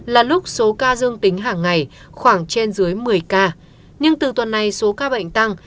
là lúc số ca dương tính hàng ngày khoảng trên dưới một mươi ca nhưng từ tuần này số ca bệnh tăng